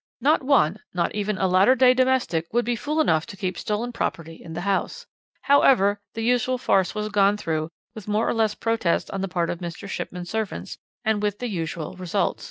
"No one, not even a latter day domestic, would be fool enough to keep stolen property in the house. However, the usual farce was gone through, with more or less protest on the part of Mr. Shipman's servants, and with the usual result.